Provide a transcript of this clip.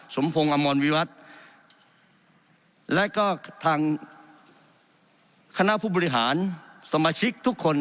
สมพงศ์อมรวิวัตรและก็ทางคณะผู้บริหารสมาชิกทุกคน